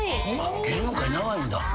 芸能界長いんだ。